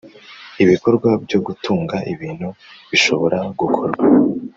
Ibikorwa byo gutunga ibintu bishobora gukorwa